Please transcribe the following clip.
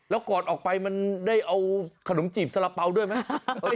แล้วก่อนออกไปมันได้เอาขนมจีบสาระเป๋าด้วยไหม